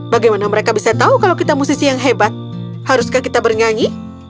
bagaimana mereka bisa tahu kalau kita musisi yang hebat haruskah kita bernyanyi